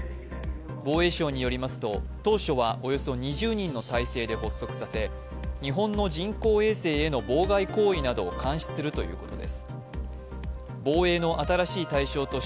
防衛省によりますと、当初はおよそ２０人の体制で発足させ、日本の人工衛星への妨害行為などを監視するということです。